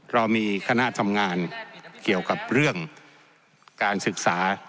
เรามีคณะทำงานเกี่ยวกับเรื่องการศึกษา